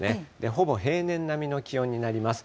ほぼ平年並みの気温になります。